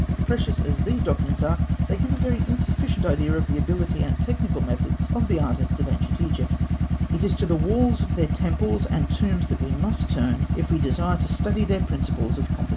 Precious as these documents are, they give a very insufficient idea of the ability and technical methods of the artists of ancient Egypt. It is to the walls of their temples and tombs that we must turn, if we desire to study their principles of composition. [Illustration: Figs.